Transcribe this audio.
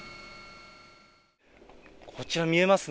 こちら、見えます？